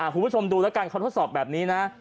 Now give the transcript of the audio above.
คุณผู้ชมดูแล้วกันเขาทดสอบแบบนี้นะ